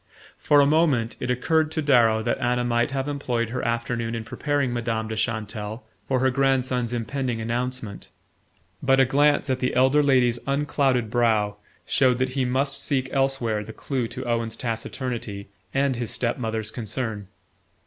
For a moment it occurred to Darrow that Anna might have employed her afternoon in preparing Madame de Chantelle for her grandson's impending announcement; but a glance at the elder lady's unclouded brow showed that he must seek elsewhere the clue to Owen's taciturnity and his step mother's concern.